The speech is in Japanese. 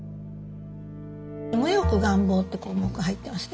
「無慾顏貌」って項目が入ってますね。